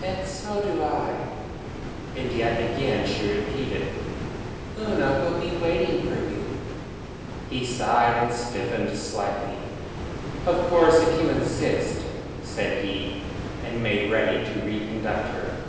"And so do I." And yet again she repeated: "Una will be waiting for you." He sighed, and stiffened slightly. "Of course if you insist," said he, and made ready to reconduct her.